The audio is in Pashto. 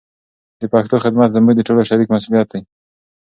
د پښتو خدمت زموږ د ټولو شریک مسولیت دی.